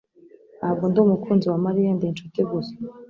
Ntabwo ndi umukunzi wa Mariya. Ndi inshuti gusa.